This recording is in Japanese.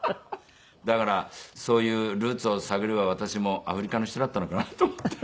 だからそういうルーツを探れば私もアフリカの人だったのかなと思って。